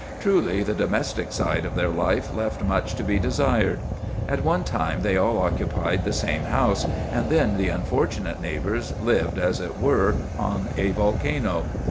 Truly the domestic side of their life left much to be desired. At one time they all occupied the same house, and then the unfortunate neighbors lived, as it were, on a volcano.